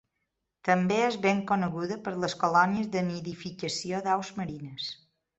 També és ben coneguda per les colònies de nidificació d'aus marines.